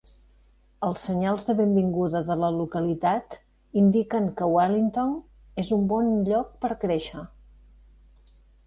Els senyals de benvinguda de la localitat indiquen que Wellington és un bon lloc per créixer.